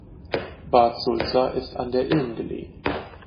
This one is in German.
Bad Sulza ist an der Ilm gelegen.